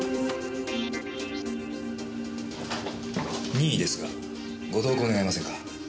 任意ですがご同行願えませんか。